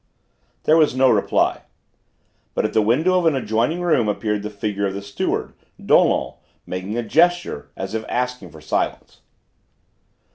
There was no reply. But at the window of an adjoining room appeared the figure of the steward, Dollon, making a gesture, as if asking for silence.